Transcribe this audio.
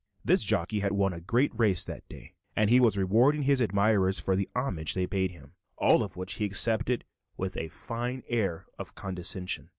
This jockey had won a great race that day, and he was rewarding his admirers for the homage they paid him, all of which he accepted with a fine air of condescension.